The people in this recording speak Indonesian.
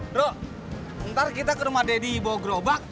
bro ntar kita ke rumah deddy dibawa gerobak